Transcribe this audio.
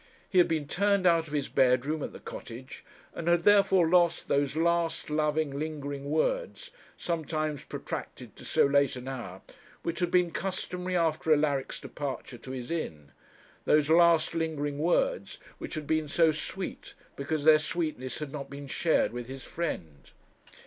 He had been turned out of his bedroom at the cottage, and had therefore lost those last, loving, lingering words, sometimes protracted to so late an hour, which had been customary after Alaric's departure to his inn those last lingering words which had been so sweet because their sweetness had not been shared with his friend.